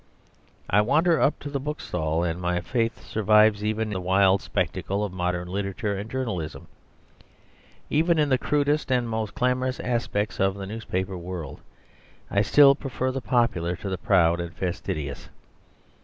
I wander up to the bookstall, and my faith survives even the wild spectacle of modern literature and journalism. Even in the crudest and most clamorous aspects of the newspaper world I still prefer the popular to the proud and fastidious.